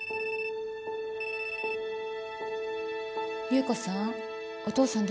侑子さん？